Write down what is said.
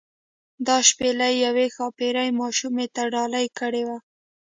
دا شپیلۍ یوې ښاپیرۍ ماشوم ته ډالۍ کړې وه.